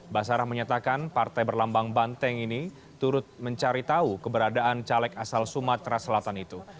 basarah menyatakan partai berlambang banteng ini turut mencari tahu keberadaan caleg asal sumatera selatan itu